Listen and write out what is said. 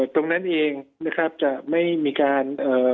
ตรงนั้นเองจะไม่มีการ